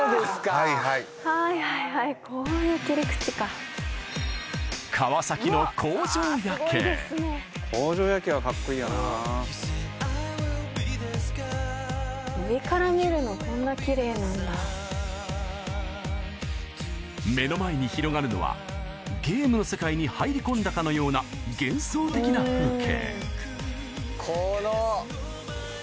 はいはいはいはいはいこういう切り口か上から見るのこんなきれいなんだ目の前に広がるのはゲームの世界に入り込んだかのような幻想的な風景